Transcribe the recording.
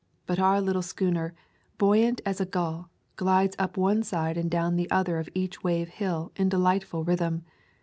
But our little schooner, buoyant as a gull, glides up one side and down the other of each wave hill in delightful rhythm.